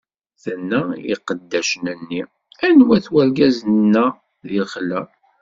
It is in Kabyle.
Tenna i uqeddac-nni: Anwa-t urgaz inna di lexla?